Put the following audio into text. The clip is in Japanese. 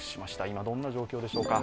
今どんな状況でしょうか。